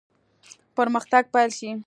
پرمختګ پیل شي.